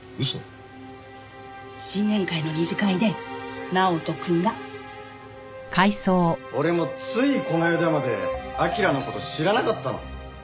新年会の二次会で直人くんが。俺もついこの間まで彬の事知らなかったの。